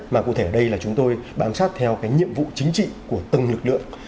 mà cụ thể ở đây là chúng tôi bám sát theo cái nhiệm vụ chính trị của từng lực lượng